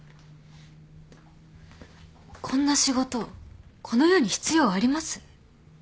こんな仕事この世に必要あります？